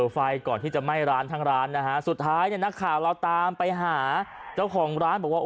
ไฟก่อนที่จะไหม้ร้านทั้งร้านนะฮะสุดท้ายเนี่ยนักข่าวเราตามไปหาเจ้าของร้านบอกว่า